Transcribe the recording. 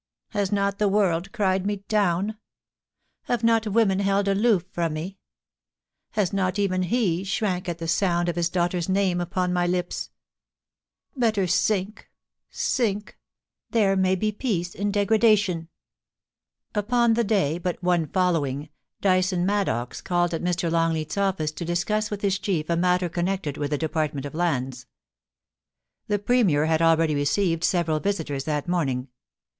Has not the world cried me down ?... Have not women held aloof from me? Has not even he shrank at the sound of his daughter's name upon my lips? ... Better sink — sink. There may be peace in degradation.' ««««« Upon the day but one following, Dyson Maddox called at Mr. Longleat's office to discuss with his chief a matter connected with the Department of Lands. ^ THE DIAMONDS. 291 The Premier had akeady received several visitors that morning.